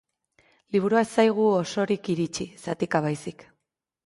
Liburua ez zaigu osorik iritsi, zatika baizik.